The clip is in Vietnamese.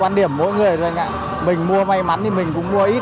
quan điểm mỗi người là mình mua may mắn thì mình cũng mua ít